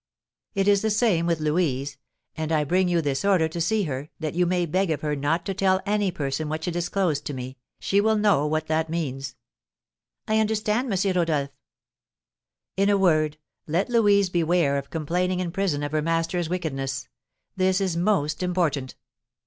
"It is the same with Louise; and I bring you this order to see her, that you may beg of her not to tell any person what she disclosed to me. She will know what that means." "I understand, M. Rodolph." "In a word, let Louise beware of complaining in prison of her master's wickedness. This is most important.